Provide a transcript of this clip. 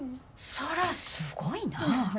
そらすごいなぁ。